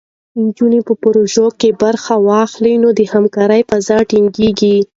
نجونې په پروژو کې برخه واخلي، نو د همکارۍ فضا ټینګېږي.